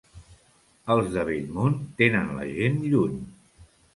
Els de Bellmunt tenen la gent lluny.